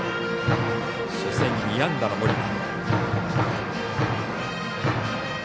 初戦２安打の森田。